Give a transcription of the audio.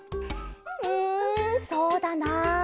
うんそうだな。